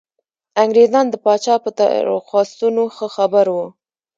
انګرېزان د پاچا په درخواستونو ښه خبر وو.